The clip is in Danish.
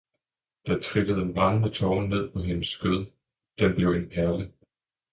Der trillede en brændende tåre ned på hendes skød, den blev en perle.